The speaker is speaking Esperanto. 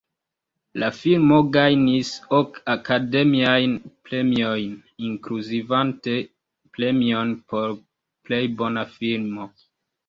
La filmo gajnis ok Akademiajn Premiojn, inkluzivante premion por plej bona filmo.